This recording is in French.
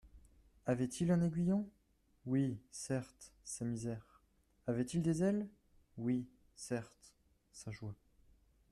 Avait-il un aiguillon ? oui, certes, sa misère ; avait-il des ailes ? oui, certes, sa joie.